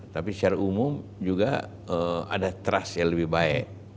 tapi secara umum juga ada trust yang lebih baik